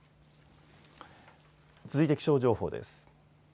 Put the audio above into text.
続いて気象情報です。